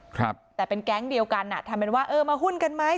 ครับแต่เป็นแก๊งเดียวกันอ่ะทำเป็นว่าเออมาหุ้นกันไหม